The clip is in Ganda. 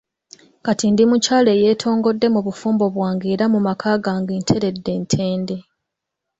Kati ndi mukyala eyeetongodde mu bufumbo bwange era mu maka gange nteredde ntende.